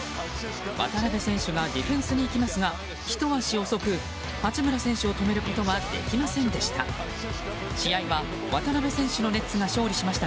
渡邊選手がディフェンスに行きますがひと足遅く八村選手を止めることができませんでした。